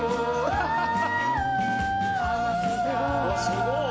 すごい！